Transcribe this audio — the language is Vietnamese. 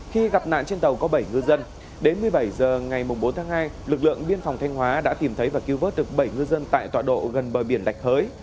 khi gặp nạn trên tàu có bảy ngư dân đến một mươi bảy h ngày bốn tháng hai lực lượng biên phòng thanh hóa đã tìm thấy và cứu vớt được bảy ngư dân tại tọa độ gần bờ biển bạch hới